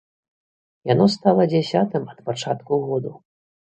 Яно стала дзясятым ад пачатку году.